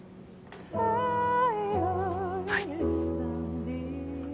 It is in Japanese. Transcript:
はい。